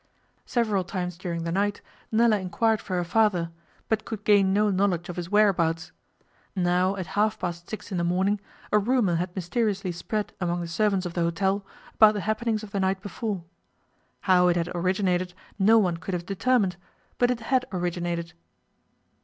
Several times during the night Nella inquired for her father, but could gain no knowledge of his whereabouts. Now, at half past six in the morning, a rumour had mysteriously spread among the servants of the hotel about the happenings of the night before. How it had originated no one could have determined, but it had originated.